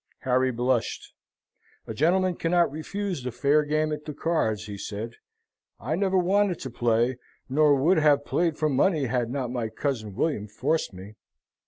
Harry blushed. "A gentleman cannot refuse a fair game at the cards," he said. "I never wanted to play, nor would have played for money had not my cousin William forced me.